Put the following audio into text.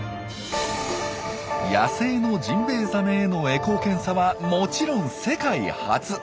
野生のジンベエザメへのエコー検査はもちろん世界初。